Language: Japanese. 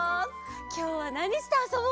きょうはなにしてあそぼうかな？